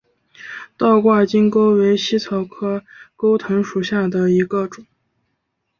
倒挂金钩为茜草科钩藤属下的一个种。